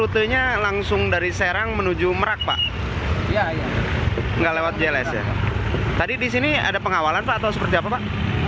tadi di sini ada pengawalan pak